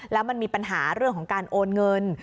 แล้วมันมีปัญหาเรื่องของการโอนเงิน